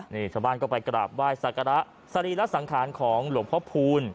นี่สาบานก็ไปกราบว่ายสกะระศรีรสังคัญของหลวงพ่อพูณ